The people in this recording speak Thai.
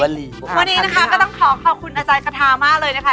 วันนี้นะคะก็ต้องขอขอบคุณอาจารย์คาทามากเลยนะคะ